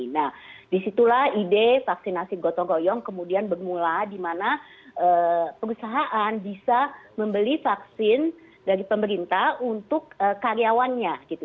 nah disitulah ide vaksinasi gotong royong kemudian bermula di mana perusahaan bisa membeli vaksin dari pemerintah untuk karyawannya gitu